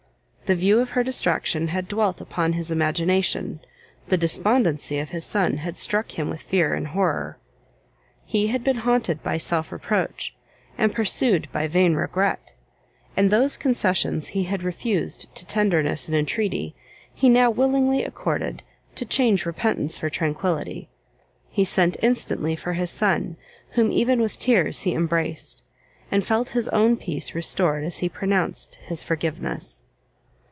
The view of her distraction had dwelt upon his imagination, the despondency of his son had struck him with fear and horror. He had been haunted by self reproach, and pursued by vain regret; and those concessions he had refused to tenderness and entreaty, he now willingly accorded to change repentance for tranquility. He sent instantly for his son, whom even with tears he embraced, and felt his own peace restored as he pronounced his forgiveness.